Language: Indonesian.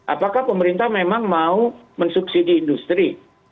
apakah pemerintah memang mau mensubsidi industri